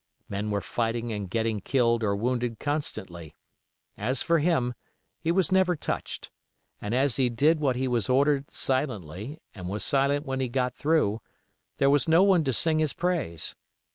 Men were fighting and getting killed or wounded constantly; as for him, he was never touched; and as he did what he was ordered silently and was silent when he got through, there was no one to sing his praise.